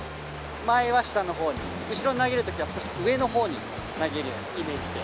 前は下の方に後ろに投げる時は少し上の方に投げるようなイメージで。